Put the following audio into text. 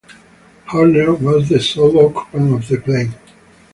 Horner was the sole occupant of the plane.